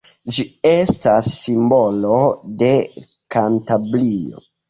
Ĝi estas simbolo de Kantabrio.